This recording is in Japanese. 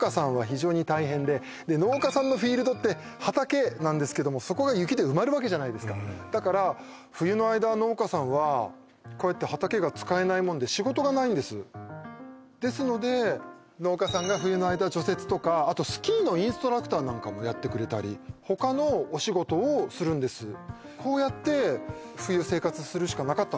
中でも農家さんのフィールドって畑なんですけどもそこが雪で埋まるわけじゃないですかだから冬の間農家さんはこうやって畑が使えないもんで仕事がないんですですので農家さんが冬の間除雪とかあとスキーのインストラクターなんかもやってくれたり他のお仕事をするんですこうやって冬生活するしかなかったんですけど今